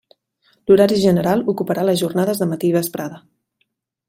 L'horari general ocuparà les jornades de matí i vesprada.